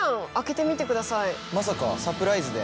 まさかサプライズで？